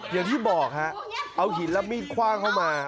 อย่างที่บอกฮะเอาหินและมีดคว่างเข้ามา